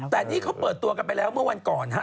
แต่นี่เขาเปิดตัวกันไปแล้วเมื่อวันก่อนฮะ